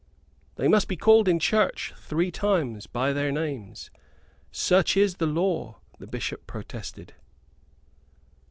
"They must be called in church three times by their names; such is the law," the Bishop protested.